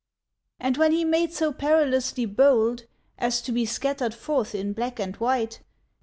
And when he made so perilously bold As to be scattered forth in black and white.